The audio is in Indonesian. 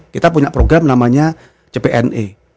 kita punya program namanya cpne